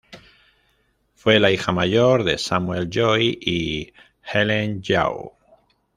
Fue la hija mayor de Samuel Joy y Helen Young.